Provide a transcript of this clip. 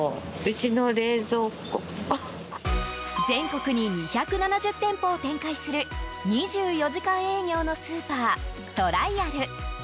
全国に２７０店舗を展開する２４時間営業のスーパートライアル。